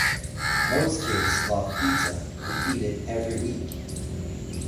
Most kids love pizza and eat it every week.